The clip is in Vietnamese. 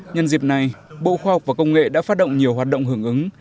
nhân dịp này bộ khoa học và công nghệ đã phát động nhiều hoạt động hưởng ứng